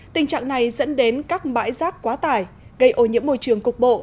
tình trạng này dẫn đến các bãi rác quá tải gây ô nhiễm môi trường cục bộ